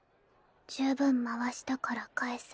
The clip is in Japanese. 十分回したから返す。